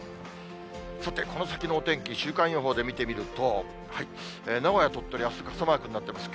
さて、この先のお天気、週間予報で見てみると、名古屋、鳥取、あす、傘マークなってます。